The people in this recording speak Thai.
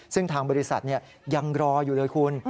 ซึ่งทางบริษัทยังรออยู่เลยคุณ